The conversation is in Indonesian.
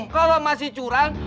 kalau masih curang